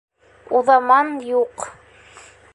Уҙаман юҡ.